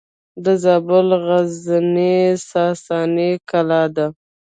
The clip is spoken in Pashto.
د زابل غزنیې ساساني کلا ده